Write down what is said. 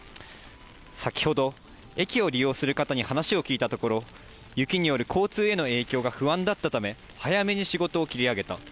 先ほど駅を利用する方に話を聞いたところ、雪による交通への影響が不安だったため、早めに仕事を切り上げた。